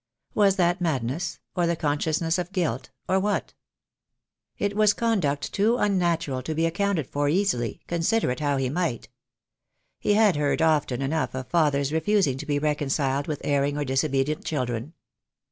Was that madness, or the consciousness of guilt, or what? It was conduct too unnatural to be accounted for easily, consider it how he might. He had heard often enough of fathers refusing to be reconciled with erring or disobedient children.